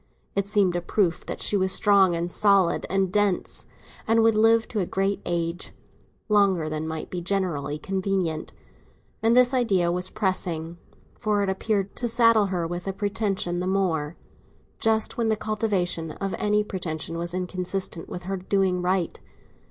It seemed a proof that she was strong and solid and dense, and would live to a great age—longer than might be generally convenient; and this idea was depressing, for it appeared to saddle her with a pretension the more, just when the cultivation of any pretension was inconsistent with her doing right.